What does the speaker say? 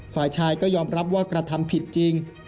ฝ่ายชายก็ยอมรับว่ากระทำผิดจริง